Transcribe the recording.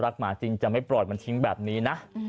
หลักหมาจริงจะไม่ปลอดมาชิงแบบนี้นะ